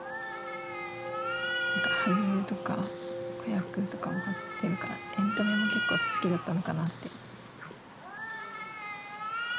俳優とか子役とかも貼ってるからエンタメも結構好きだったのかなって。